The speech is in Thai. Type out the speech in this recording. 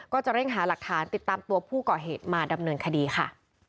ก็จะเร่งหาหลักฐานติดตามตัวผู้ก่อเหตุมาดำเนินคดีค่ะ